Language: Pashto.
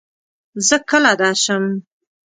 زۀ کله درشم ؟